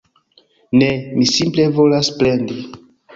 Ne, mi simple volas plendi